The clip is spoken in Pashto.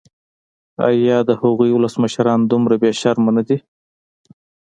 ایا د هغوی ولسمشران دومره بې شرمه نه دي.